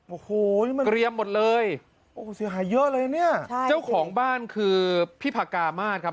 โอ้โหมันเกรียมหมดเลยโอ้โหเสียหายเยอะเลยนะเนี่ยใช่เจ้าของบ้านคือพี่พากามาศครับ